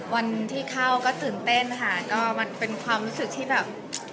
วันที่เข้าก็ตื่นเต้นค่ะก็มันเป็นความรู้สึกที่แบบ